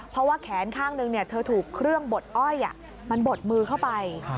เพราะว่าแขนข้างหนึ่งเธอถูกเครื่องบดอ้อยมันบดมือเข้าไป